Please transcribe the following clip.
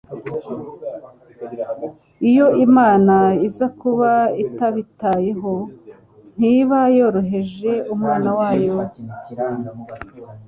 Iyo Imana iza kuba itabitayeho ntiba yarohereje Umwana wayo